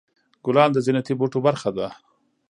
ګلان د زینتي بوټو برخه ده.